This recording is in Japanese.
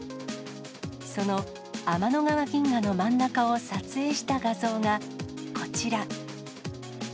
その天の川銀河の真ん中を撮影した画像がこちら。